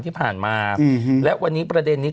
ที่ผ่านมาและวันนี้ประเด็นนี้